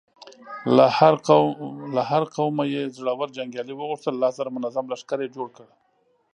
له هر قومه يې زړور جنګيالي وغوښتل، لس زره منظم لښکر يې جوړ کړ.